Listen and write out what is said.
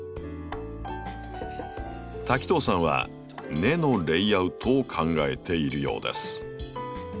滝藤さんは根のレイアウトを考えているようです。